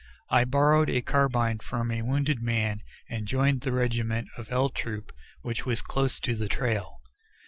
I borrowed a carbine from a wounded man, and joined the remnant of L Troop which was close to the trail.